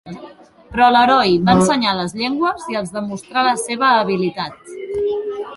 Però l'heroi va ensenyar les llengües i els demostrà la seva habilitat.